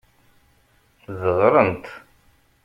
Deɣrent.